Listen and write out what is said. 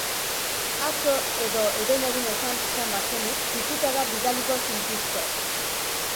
Atzo edo herenegun esan izan bazenit, pikutara bidaliko zintuzket.